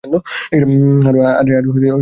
আরে পিছনে যা, শ্লা।